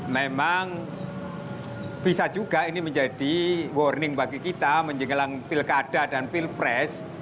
memang bisa juga ini menjadi warning bagi kita menjengkelang pil kada dan pil pres